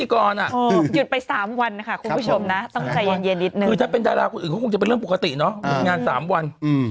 ก็คงจะเป็นเรื่องปกติเนาะปรุงงานสามวัน